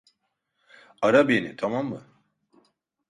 Ara beni, tamam mı?